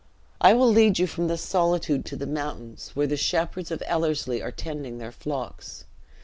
"I will lead you from this solitude to the mountains, where the shepherds of Ellerslie are tending their flocks.